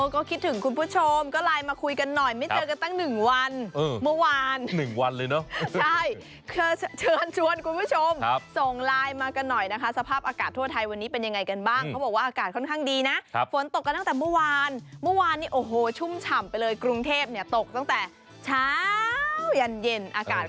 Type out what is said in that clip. ก็คิดถึงคุณผู้ชมก็ไลน์มาคุยกันหน่อยไม่เจอกันตั้ง๑วันเมื่อวาน๑วันเลยเนอะใช่เคยเชิญชวนคุณผู้ชมส่งไลน์มากันหน่อยนะคะสภาพอากาศทั่วไทยวันนี้เป็นยังไงกันบ้างเขาบอกว่าอากาศค่อนข้างดีนะฝนตกกันตั้งแต่เมื่อวานเมื่อวานนี้โอ้โหชุ่มฉ่ำไปเลยกรุงเทพเนี่ยตกตั้งแต่เช้ายันเย็นอากาศ